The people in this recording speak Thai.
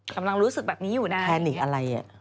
กำลังรู้สึกแบบนี้อยู่นะแพนิกอะไรอ่ะ